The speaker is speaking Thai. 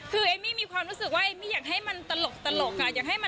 คือเอมมี่มีความรู้สึกว่าเอมมี่อยากให้มันตลก